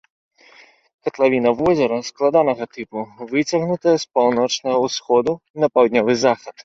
Катлавіна возера складанага тыпу, выцягнутая з паўночнага ўсходу на паўднёвы захад.